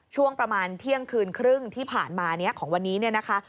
ช่วงประมาณเที่ยงคืนครึ่งที่ผ่านมาของวันนี้นะคะ